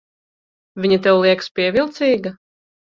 Viņa tev liekas pievilcīga?